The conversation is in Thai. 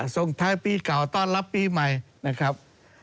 ส่งท้ายปีเก่าต้อนรับปีใหม่นะครับ